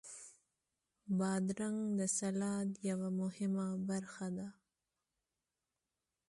بادرنګ د سلاد یوه مهمه برخه ده.